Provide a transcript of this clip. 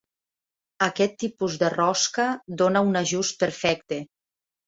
Aquest tipus de rosca dóna un ajust perfecte.